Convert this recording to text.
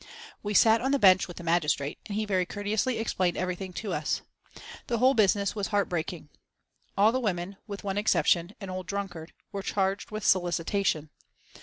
We sat on the bench with the magistrate, and he very courteously explained everything to us. The whole business was heart breaking. All the women, with one exception an old drunkard were charged with solicitation.